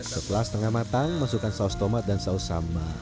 setelah setengah matang masukkan saus tomat dan saus sambal